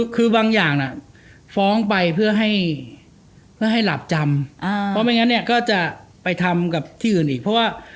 คือบางอย่างฟ้องไปเพื่อให้หลับจำ